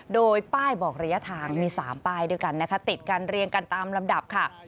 โดยป้ายบอกระยะทางมี๓ป้ายด้วยกันนะคะติดกันเรียงกันตามลำดับค่ะ